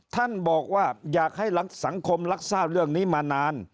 ท่านบอกว่าอยากให้สังคมรับทราบเรื่องนี้มานาน